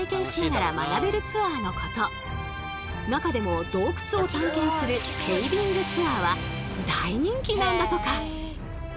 中でも洞窟を探検するケイビングツアーは大人気なんだとか。